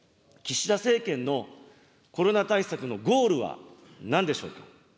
岸田政権のコロナ対策のゴールは、なんでしょうか。